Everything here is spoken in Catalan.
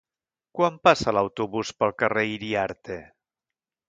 Quan passa l'autobús pel carrer Iriarte?